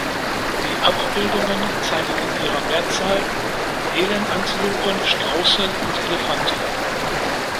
Die Abbildungen zeigen in ihrer Mehrzahl Elenantilopen, Straußen und Elefanten.